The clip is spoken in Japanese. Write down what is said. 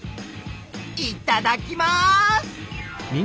いただきます！